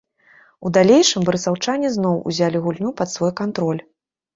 У далейшым барысаўчане зноў узялі гульню пад свой кантроль.